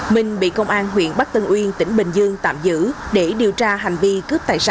minh bị công an huyện bắc tân uyên tỉnh bình dương tạm giữ để điều tra hành vi cướp tài sản